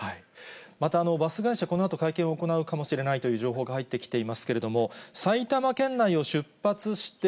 またバス会社、このあと、会見を行うかもしれないという情報が入ってきていますけれども、埼玉県内を出発して、